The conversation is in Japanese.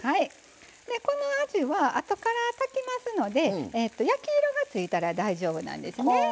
このあじはあとから炊きますので焼き色がついたら大丈夫なんですね。は。